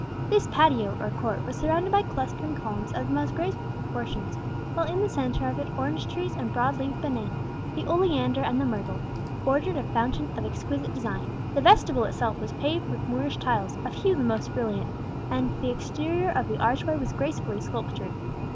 This patio, or court, was surrounded by clustering columns of the most graceful proportions; while in the centre of it orange trees and broad leaved bananas, the oleander and the myrtle, bordered a fountain of exquisite design. The vestibule itself was paved with Moorish tiles, of hue the most brilliant; and the exterior of the archway was gracefully sculptured.